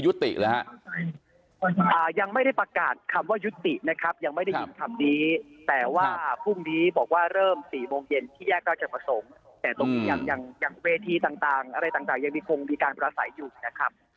อย่างเวทีต่างอะไรต่างยังมีคงมีการประสัยอยู่นะครับ